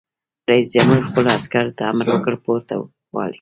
رئیس جمهور خپلو عسکرو ته امر وکړ؛ پورته!